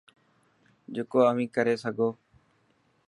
جڪو اوهين ڪري سگو.